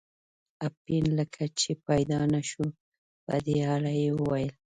اپین لکه چې پیدا نه شو، په دې اړه یې وویل.